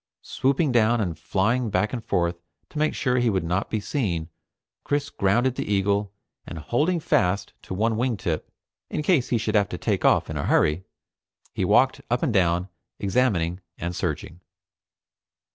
Swooping down and flying back and forth to make sure he would not be seen, Chris grounded the eagle, and holding fast to one wing tip in case he should have to take off in a hurry, he walked up and down, examining and searching.